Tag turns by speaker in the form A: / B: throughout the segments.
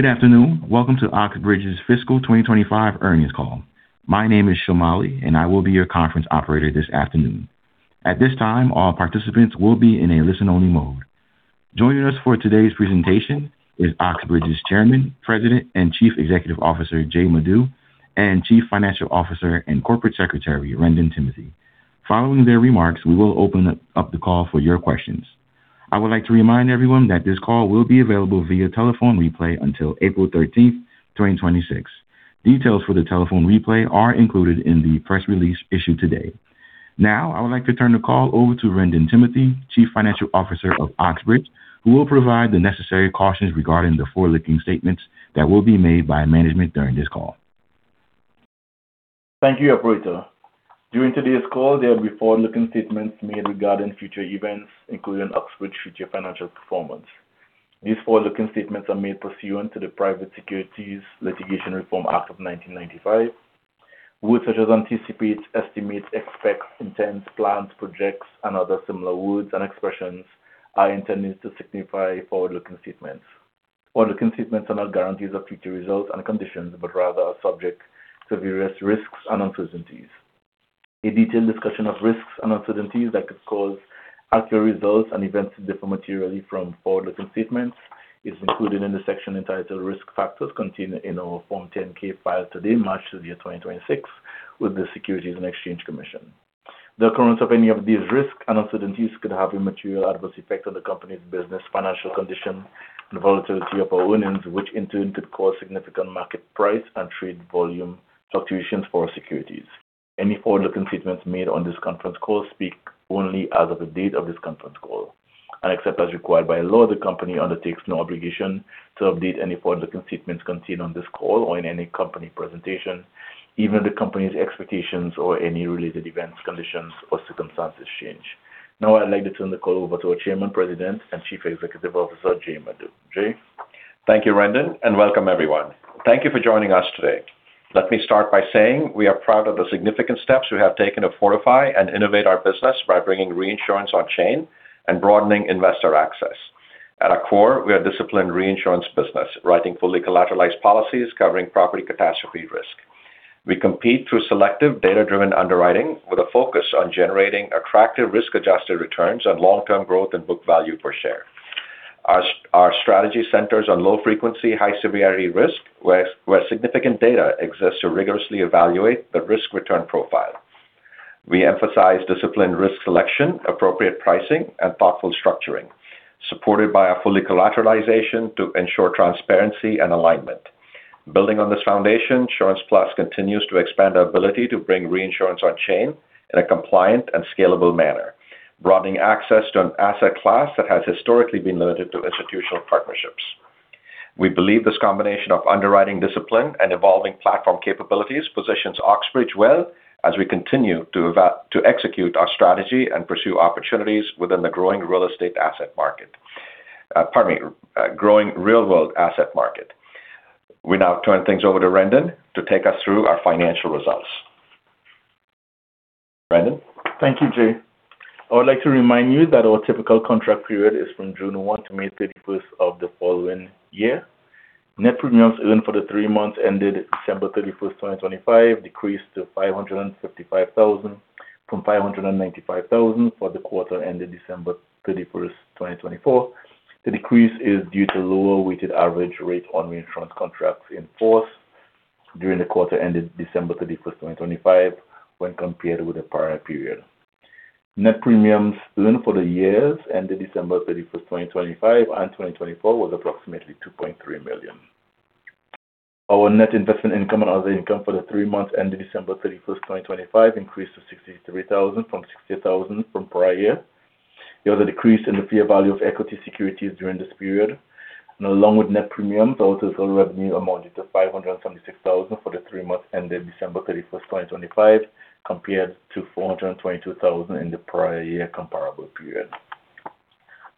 A: Good afternoon. Welcome to Oxbridge's Fiscal 2025 earnings call. My name is Shamali, and I will be your conference operator this afternoon. At this time, all participants will be in a listen-only mode. Joining us for today's presentation is Oxbridge's Chairman, President, and Chief Executive Officer, Jay Madhu, and Chief Financial Officer and Corporate Secretary, Wrendon Timothy. Following their remarks, we will open up the call for your questions. I would like to remind everyone that this call will be available via telephone replay until April 13, 2026. Details for the telephone replay are included in the press release issued today. Now I would like to turn the call over to Wrendon Timothy, Chief Financial Officer of Oxbridge, who will provide the necessary cautions regarding the forward-looking statements that will be made by management during this call.
B: Thank you, operator. During today's call, there will be forward-looking statements made regarding future events, including Oxbridge future financial performance. These forward-looking statements are made pursuant to the Private Securities Litigation Reform Act of 1995. Words such as anticipate, estimate, expect, intend, plans, projects, and other similar words and expressions are intended to signify forward-looking statements. Forward-looking statements are not guarantees of future results and conditions, but rather are subject to various risks and uncertainties. A detailed discussion of risks and uncertainties that could cause actual results and events to differ materially from forward-looking statements is included in the section entitled Risk Factors contained in our Form 10-K filed today, March 2026, with the Securities and Exchange Commission. The occurrence of any of these risks and uncertainties could have a material adverse effect on the company's business, financial condition, and volatility of our earnings, which in turn could cause significant market price and trade volume fluctuations for our securities. Any forward-looking statements made on this conference call speak only as of the date of this conference call. Except as required by law, the company undertakes no obligation to update any forward-looking statements contained on this call or in any company presentation, even if the company's expectations or any related events, conditions, or circumstances change. Now I'd like to turn the call over to our Chairman, President, and Chief Executive Officer, Jay Madhu. Jay.
C: Thank you, Rendon, and welcome everyone. Thank you for joining us today. Let me start by saying we are proud of the significant steps we have taken to fortify and innovate our business by bringing reinsurance on chain and broadening investor access. At our core, we are a disciplined reinsurance business, writing fully collateralized policies covering property catastrophe risk. We compete through selective data-driven underwriting with a focus on generating attractive risk-adjusted returns and long-term growth in book value per share. Our strategy centers on low frequency, high severity risk, where significant data exists to rigorously evaluate the risk-return profile. We emphasize disciplined risk selection, appropriate pricing, and thoughtful structuring, supported by a full collateralization to ensure transparency and alignment. Building on this foundation, SurancePlus continues to expand our ability to bring reinsurance on chain in a compliant and scalable manner, broadening access to an asset class that has historically been limited to institutional partnerships. We believe this combination of underwriting discipline and evolving platform capabilities positions Oxbridge well as we continue to execute our strategy and pursue opportunities within the growing real-world asset market. We now turn things over to Wrendon to take us through our financial results. Wrendon.
B: Thank you, Jay. I would like to remind you that our typical contract period is from June 1 to May 31st of the following year. Net premiums earned for the three months ended December 31, 2025, decreased to $555,000 from $595,000 for the quarter ended December 31, 2024. The decrease is due to lower weighted average rate on reinsurance contracts in force during the quarter ended December 31, 2025, when compared with the prior period. Net premiums earned for the years ended December 31, 2025, and 2024 was approximately $2.3 million. Our net investment income and other income for the three months ended December 31, 2025, increased to $63,000 from $60,000 from prior year. There was a decrease in the fair value of equity securities during this period. Along with net premiums, total revenue amounted to $576,000 for the three months ended December 31, 2025, compared to $422,000 in the prior year comparable period.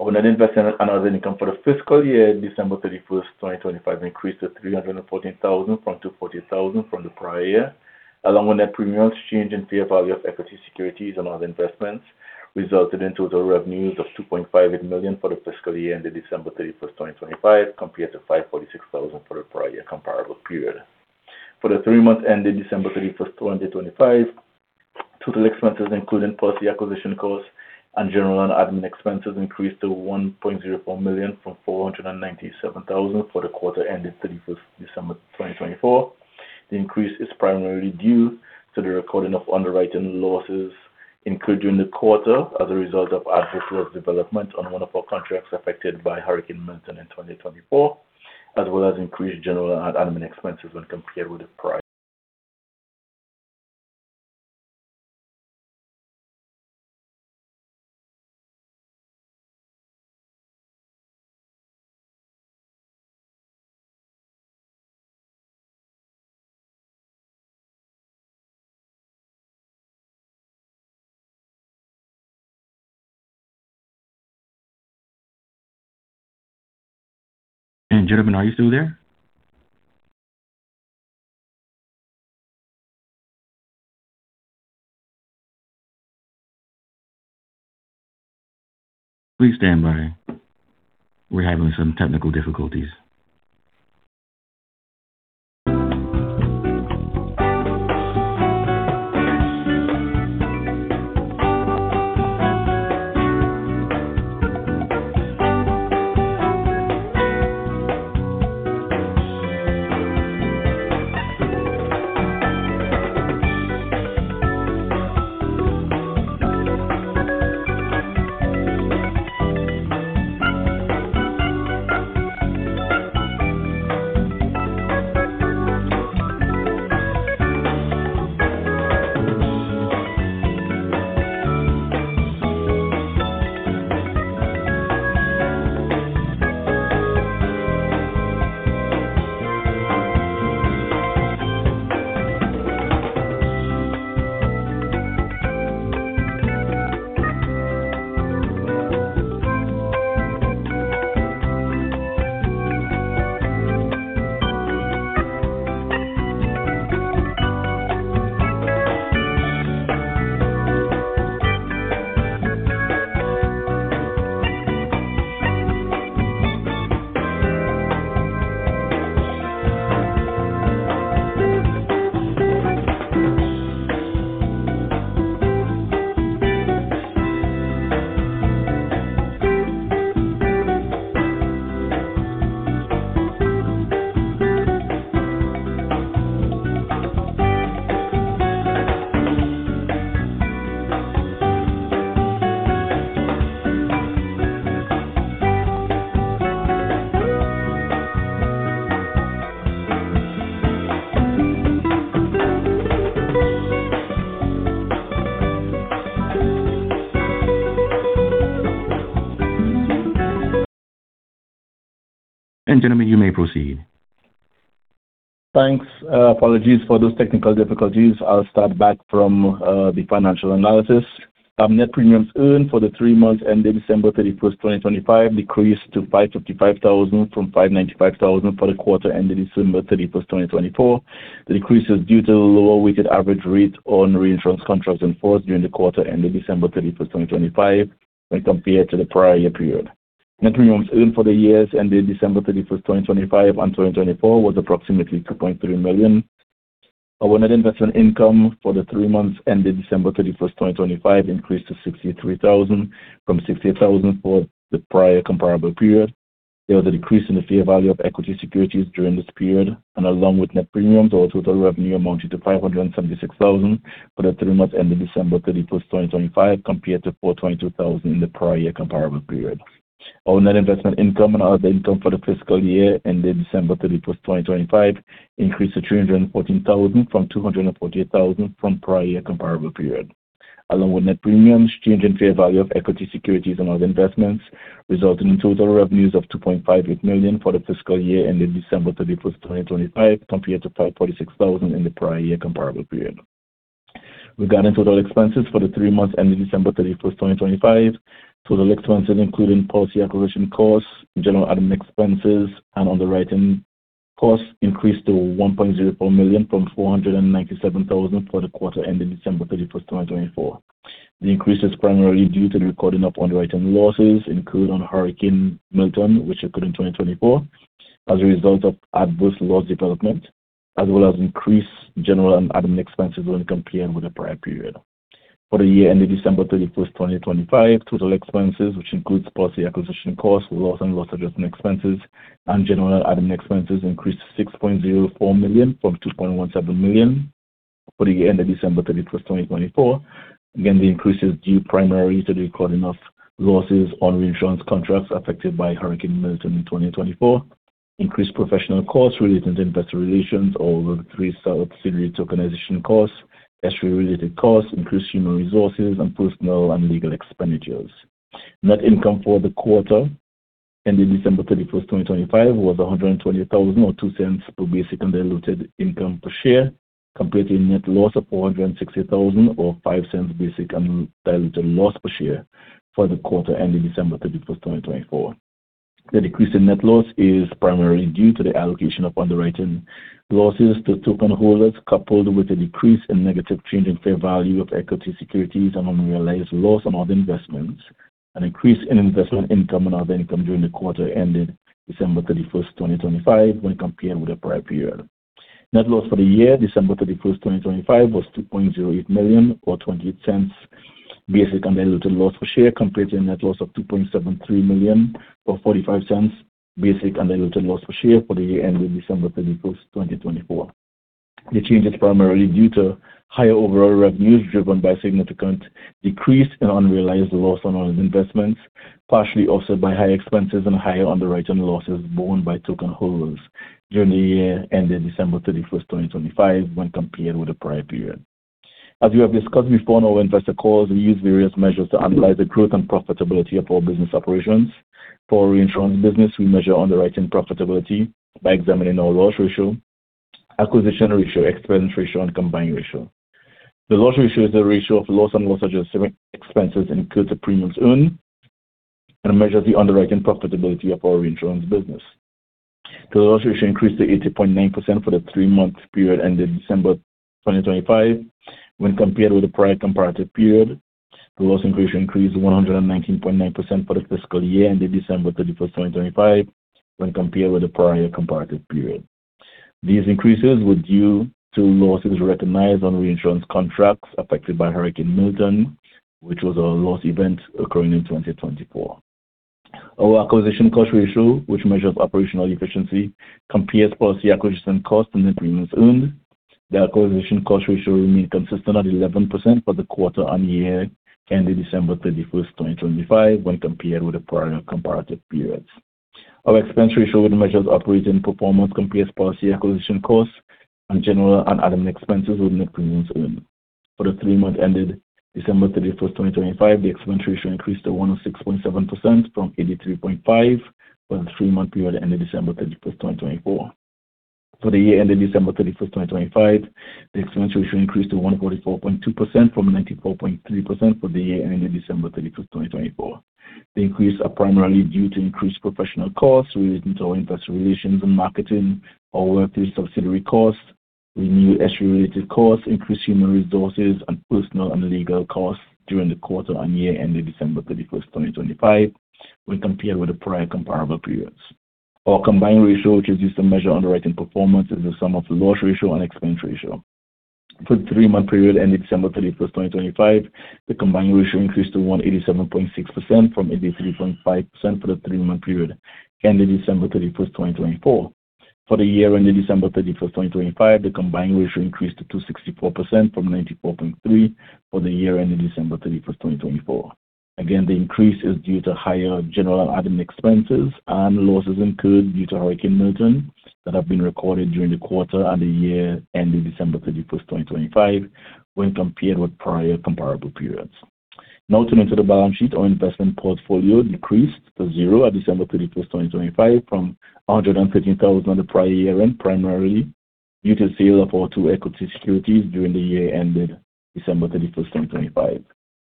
B: Our net investment and other income for the fiscal year ended December 31, 2025, increased to $314,000 from $240,000 from the prior year. Along with net premiums, change in fair value of equity securities and other investments resulted in total revenues of $2.58 million for the fiscal year ended December 31, 2025, compared to $546,000 for the prior year comparable period. For the three months ended December 31, 2025, total expenses, including policy acquisition costs and general and admin expenses, increased to $1.04 million from $497,000 for the quarter ended December 31, 2024. The increase is primarily due to the recording of underwriting losses incurred during the quarter as a result of adverse loss development on one of our contracts affected by Hurricane Milton in 2024, as well as increased general and admin expenses when compared with the prior. Gentlemen, are you still there?
A: Please stand by. We're having some technical difficulties. Gentlemen, you may proceed.
B: Thanks. Apologies for those technical difficulties. I'll start back from the financial analysis. Net premiums earned for the three months ending December 31, 2025 decreased to $555,000 from $595,000 for the quarter ending December 31, 2024. The decrease is due to the lower weighted average rate on reinsurance contracts in force during the quarter ending December 31, 2025 when compared to the prior year period. Net premiums earned for the years ending December 31, 2025 and 2024 was approximately $2.3 million. Our net investment income for the three months ending December 31, 2025 increased to $63,000 from $68,000 for the prior comparable period. There was a decrease in the fair value of equity securities during this period. Along with net premiums, our total revenue amounted to $576,000 for the three months ending December 31, 2025, compared to $422,000 in the prior year comparable period. Our net investment income and other income for the fiscal year ending December 31, 2025 increased to $314,000 from $248,000 from prior year comparable period. Along with net premiums, change in fair value of equity securities and other investments resulted in total revenues of $2.58 million for the fiscal year ending December 31, 2025, compared to $546,000 in the prior year comparable period. Regarding total expenses for the three months ending December 31, 2025, total expenses including policy acquisition costs, general admin expenses, and underwriting costs increased to $1.04 million from $497,000 for the quarter ending December 31, 2024. The increase is primarily due to the recording of underwriting losses incurred on Hurricane Milton, which occurred in 2024 as a result of adverse loss development, as well as increased general and admin expenses when compared with the prior period. For the year ending December 31, 2025, total expenses, which includes policy acquisition costs, loss and loss adjustment expenses, and general admin expenses, increased to $6.04 million from $2.17 million for the year ending December 31, 2024. Again, the increase is due primarily to the recording of losses on reinsurance contracts affected by Hurricane Milton in 2024. Increased professional costs related to investor relations and the SurancePlus subsidiary tokenization costs, SurancePlus-related costs, increased human resources, and personnel and legal expenditures. Net income for the quarter ending December 31, 2025 was $120,000 or $0.02 per basic and diluted income per share, compared to a net loss of $460,000 or $0.05 basic and diluted loss per share for the quarter ending December 31, 2024. The decrease in net loss is primarily due to the allocation of underwriting losses to token holders, coupled with a decrease in negative change in fair value of equity securities and unrealized loss on all the investments. An increase in investment income and other income during the quarter ending December 31, 2025 when compared with the prior period. Net loss for the year ended December 31, 2025 was $2.08 million or $0.20 basic and diluted loss per share, compared to a net loss of $2.73 million or $0.45 basic and diluted loss per share for the year ended December 31, 2024. The change is primarily due to higher overall revenues driven by significant decrease in unrealized loss on all investments, partially offset by higher expenses and higher underwriting losses borne by token holders during the year ended December 31, 2025 when compared with the prior period. We have discussed before on our investor calls, we use various measures to analyze the growth and profitability of our business operations. For our reinsurance business, we measure underwriting profitability by examining our loss ratio, acquisition ratio, expense ratio and combined ratio. The loss ratio is the ratio of loss and loss adjustment expenses to the premiums earned and measures the underwriting profitability of our reinsurance business. The loss ratio increased to 80.9% for the three-month period ended December 2025 when compared with the prior comparative period. The loss ratio increased 119.9% for the fiscal year ended December 31, 2025 when compared with the prior comparative period. These increases were due to losses recognized on reinsurance contracts affected by Hurricane Milton, which was a loss event occurring in 2024. Our acquisition cost ratio, which measures operational efficiency, compares policy acquisition costs to the premiums earned. The acquisition cost ratio remained consistent at 11% for the quarter and year ended December 31, 2025, when compared with the prior comparative periods. Our expense ratio, which measures operating performance, compares policy acquisition costs and general and admin expenses with net premiums earned. For the three months ended December 31, 2025, the expense ratio increased to 106.7% from 83.5% for the three-month period ended December 31, 2024. For the year ended December 31, 2025, the expense ratio increased to 144.2% from 94.3% for the year ending December 31, 2024. The increases are primarily due to increased professional costs related to investor relations and marketing, our SurancePlus subsidiary costs, Oxbridge Re NS-related costs, increased human resources and personnel and legal costs during the quarter and year ending December 31, 2025 when compared with the prior comparable periods. Our combined ratio, which is used to measure underwriting performance, is the sum of the loss ratio and expense ratio. For the three-month period ended December 31, 2025, the combined ratio increased to 187.6% from 83.5% for the three-month period ended December 31, 2024. For the year ended December 31, 2025, the combined ratio increased to 264% from 94.3% for the year ending December 31, 2024. Again, the increase is due to higher general admin expenses and losses incurred due to Hurricane Milton that have been recorded during the quarter and the year ending December 31, 2025 when compared with prior comparable periods. Now turning to the balance sheet. Our investment portfolio decreased to $0 at December 31, 2025 from $115,000 the prior year-end, primarily due to sale of our two equity securities during the year ended December 31, 2025.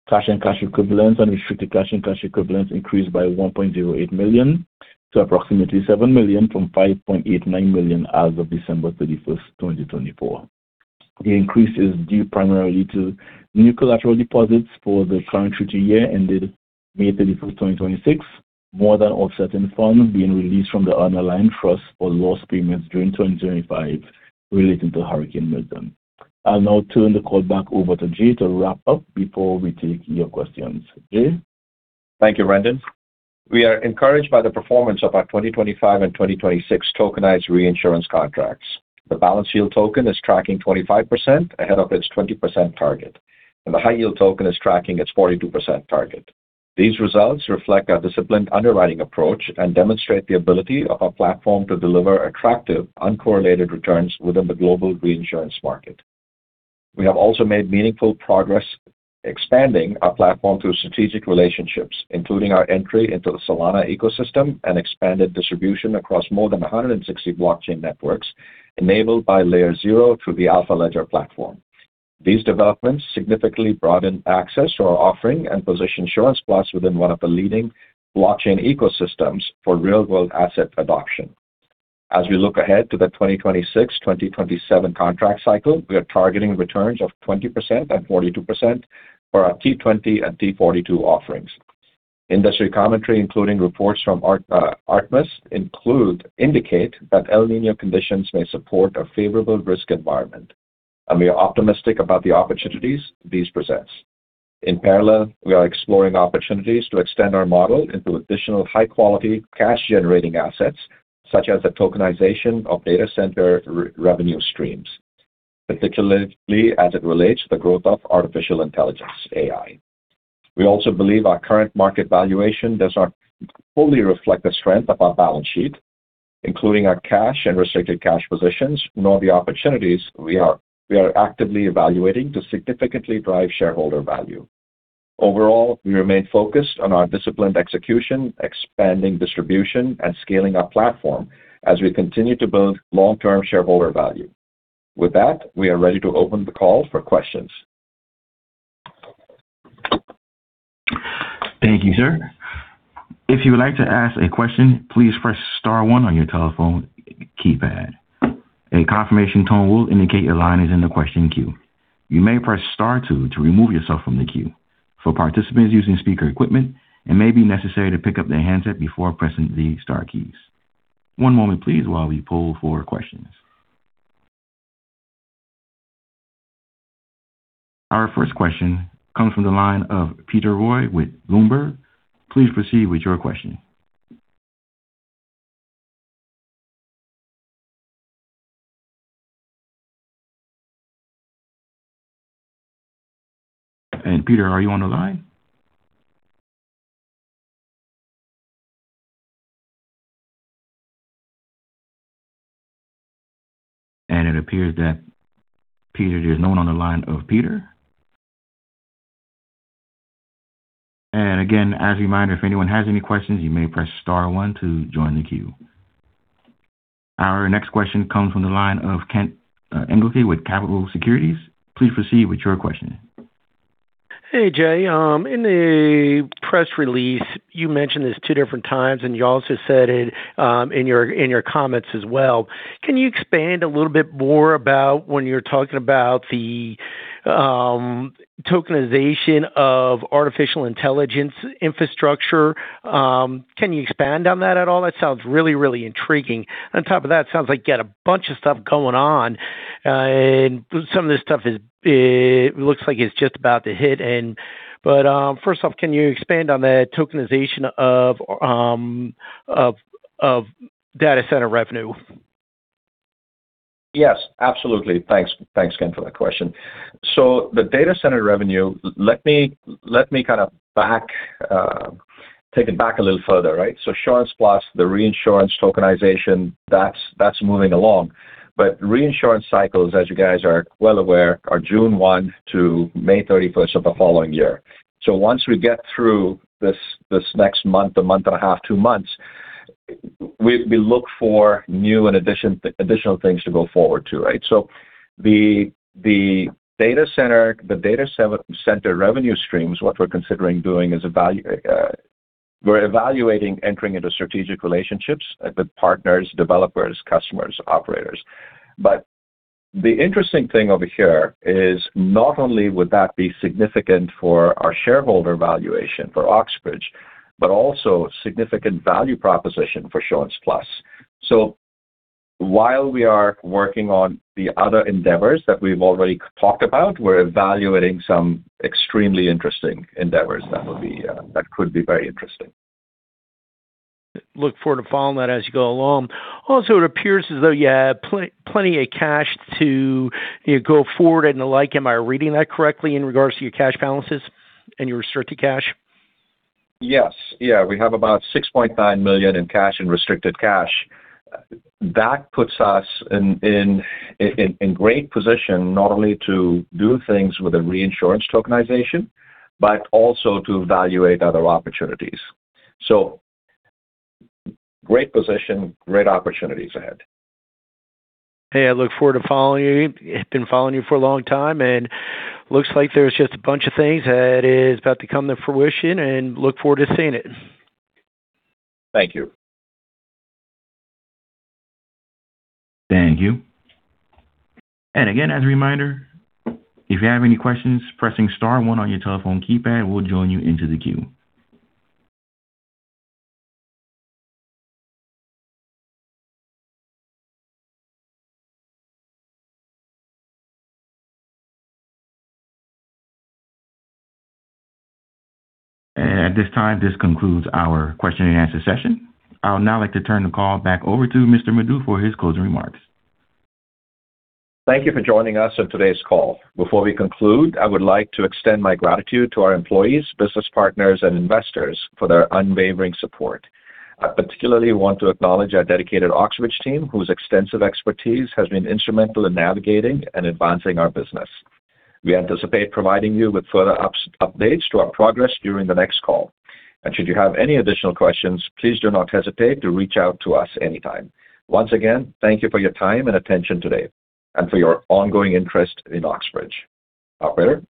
B: Cash and cash equivalents, unrestricted cash and cash equivalents increased by $1.08 million to approximately $7 million from $5.89 million as of December 31, 2024. The increase is due primarily to new collateral deposits for the current treaty year ended May 31, 2026, more than offsetting funds being released from the underlying trust for loss payments during 2025 relating to Hurricane Milton. I'll now turn the call back over to Jay to wrap up before we take your questions. Jay?
C: Thank you, Rendon. We are encouraged by the performance of our 2025 and 2026 tokenized reinsurance contracts. The Balanced-Yield Token is tracking 25% ahead of its 20% target, and the High-Yield Token is tracking its 42% target. These results reflect our disciplined underwriting approach and demonstrate the ability of our platform to deliver attractive uncorrelated returns within the global reinsurance market. We have also made meaningful progress expanding our platform through strategic relationships, including our entry into the Solana ecosystem and expanded distribution across more than 160 blockchain networks enabled by LayerZero through the AlphaLedger platform. These developments significantly broaden access to our offering and position SurancePlus within one of the leading blockchain ecosystems for real-world asset adoption. As we look ahead to the 2026/2027 contract cycle, we are targeting returns of 20% and 42% for our T20 and T42 offerings. Industry commentary, including reports from Artemis, indicate that El Niño conditions may support a favorable risk environment, and we are optimistic about the opportunities these present. In parallel, we are exploring opportunities to extend our model into additional high-quality, cash-generating assets such as the tokenization of data center revenue streams, particularly as it relates to the growth of artificial intelligence, AI. We also believe our current market valuation does not fully reflect the strength of our balance sheet, including our cash and restricted cash positions, nor the opportunities we are actively evaluating to significantly drive shareholder value. Overall, we remain focused on our disciplined execution, expanding distribution and scaling our platform as we continue to build long-term shareholder value. With that, we are ready to open the call for questions.
A: Thank you, sir. If you would like to ask a question, please press Star one on your telephone keypad. A confirmation tone will indicate your line is in the question queue. You may press Star two to remove yourself from the queue. For participants using speaker equipment, it may be necessary to pick up the handset before pressing the Star keys. One moment please while we poll for questions. Our first question comes from the line of Peter Roy with Bloomberg. Please proceed with your question. Peter, are you on the line? It appears that Peter, there's no one on the line of Peter. Again, as a reminder, if anyone has any questions, you may press Star one to join the queue. Our next question comes from the line of Kent Engelke with Capitol Securities. Please proceed with your question.
D: Hey, Jay. In the press release, you mentioned this two different times, and you also said it in your comments as well. Can you expand a little bit more about when you're talking about the tokenization of artificial intelligence infrastructure? Can you expand on that at all? That sounds really, really intriguing. On top of that, sounds like you got a bunch of stuff going on. And some of this stuff looks like it's just about to hit. First off, can you expand on the tokenization of data center revenue?
C: Yes, absolutely. Thanks again for that question. The data center revenue, let me take it back a little further, right? SurancePlus, the reinsurance tokenization, that's moving along. Reinsurance cycles, as you guys are well aware, are June 1 to May 31 of the following year. Once we get through this next month, a month and a half, two months, we look for new and additional things to go forward to, right? The data center revenue streams, what we're considering doing is evaluating entering into strategic relationships with partners, developers, customers, operators. The interesting thing over here is not only would that be significant for our shareholder valuation for Oxbridge, but also significant value proposition for SurancePlus. While we are working on the other endeavors that we've already talked about, we're evaluating some extremely interesting endeavors that would be, that could be very interesting.
D: Look forward to following that as you go along. Also, it appears as though you have plenty of cash to, you know, go forward and the like. Am I reading that correctly in regards to your cash balances and your restricted cash?
C: Yes. Yeah. We have about $6.9 million in cash and restricted cash. That puts us in great position not only to do things with the reinsurance tokenization, but also to evaluate other opportunities. Great position, great opportunities ahead.
D: Hey, I look forward to following you. Been following you for a long time, and looks like there's just a bunch of things that is about to come to fruition, and look forward to seeing it.
C: Thank you.
A: Thank you. Again, as a reminder, if you have any questions, pressing Star one on your telephone keypad will join you into the queue. At this time, this concludes our question and answer session. I would now like to turn the call back over to Mr. Madhu for his closing remarks.
C: Thank you for joining us on today's call. Before we conclude, I would like to extend my gratitude to our employees, business partners, and investors for their unwavering support. I particularly want to acknowledge our dedicated Oxbridge team, whose extensive expertise has been instrumental in navigating and advancing our business. We anticipate providing you with further updates to our progress during the next call. Should you have any additional questions, please do not hesitate to reach out to us anytime. Once again, thank you for your time and attention today and for your ongoing interest in Oxbridge. Operator.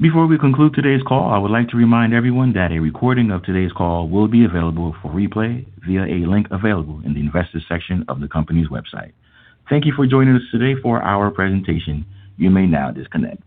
A: Before we conclude today's call, I would like to remind everyone that a recording of today's call will be available for replay via a link available in the investors section of the company's website. Thank you for joining us today for our presentation. You may now disconnect.